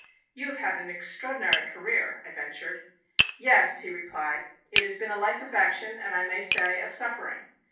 "You have had an extraordinary career," I ventured. "Yes," he replied, "it has been a life of action and I may say of suffering.